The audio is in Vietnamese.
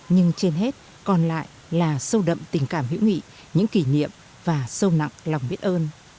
nhưng trên hết còn lại là sâu đậm tình cảm hữu nghị những kỷ niệm và sâu nặng lòng biết ơn